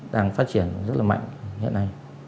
đang phát triển rất là mạnh hiện nay